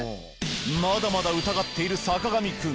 まだまだ疑っている坂上くん。